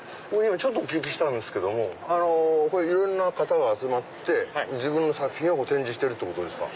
ちょっとお聞きしたんですけどもいろんな方が集まって自分の作品展示してるってことですか？